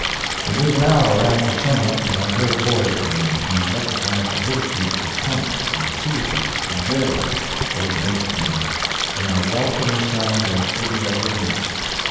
"It was an hour after sunup that I heard the boys coming, and recognized the hoof beats of Pomp and Cæsar and Jerry, old mates of mine; and a welcomer sound there couldn't ever be.